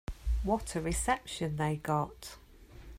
What a reception they got.